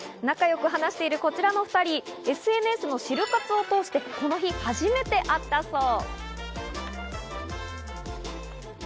仲良く話してるこちらの２人、ＳＮＳのシル活を通してこの日初めて会ったそう。